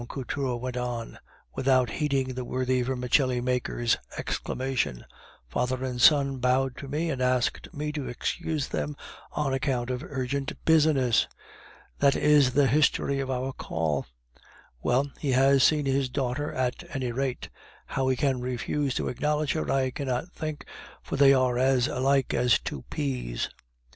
Couture went on, without heeding the worthy vermicelli maker's exclamation; "father and son bowed to me, and asked me to excuse them on account of urgent business! That is the history of our call. Well, he has seen his daughter at any rate. How he can refuse to acknowledge her I cannot think, for they are as alike as two peas."